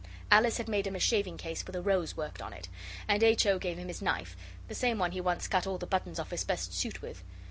Alice had made him a shaving case, with a rose worked on it. And H. O. gave him his knife the same one he once cut all the buttons off his best suit with.